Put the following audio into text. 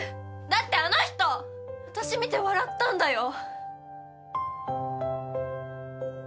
だってあの人私見て笑ったんだよ？